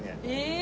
え！